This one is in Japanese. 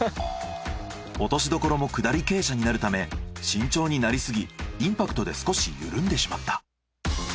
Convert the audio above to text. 落としどころも下り傾斜になるため慎重になりすぎインパクトで少し緩んでしまった。